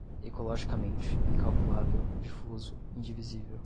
ecologicamente, incalculável, difuso, indivisível